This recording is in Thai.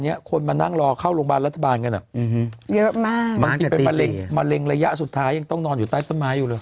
เยอะมากมันกินเป็นมะเร็งระยะสุดท้ายต้องนอนอยู่ใต้ต้นไม้อยู่แล้ว